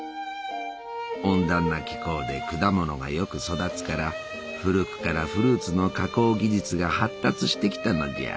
温暖な気候で果物がよく育つから古くからフルーツの加工技術が発達してきたのじゃ。